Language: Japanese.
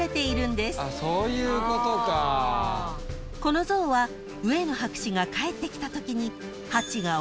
［この像は上野博士が帰ってきたときに］